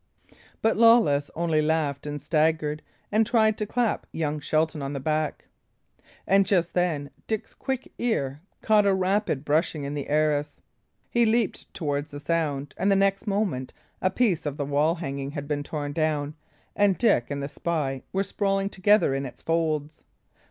But Lawless only laughed and staggered, and tried to clap young Shelton on the back. And just then Dick's quick ear caught a rapid brushing in the arras. He leaped towards the sound, and the next moment a piece of the wall hanging had been torn down, and Dick and the spy were sprawling together in its folds.